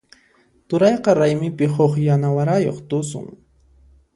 Turayqa raymipi huk yana warayuq tusun.